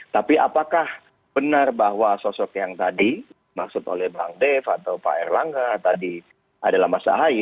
tapi apakah benar bahwa sosok yang tadi maksud oleh bang dev atau pak erlangga tadi adalah mas ahaye